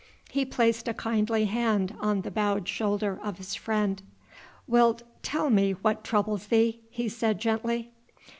He placed a kindly hand on the bowed shoulder of his friend. "Wilt tell me what troubles thee?" he said gently.